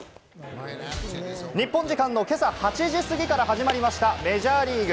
日本時間の今朝８時すぎから始まりましたメジャーリーグ。